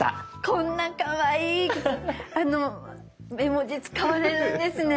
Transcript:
こんなかわいい絵文字使われるんですね。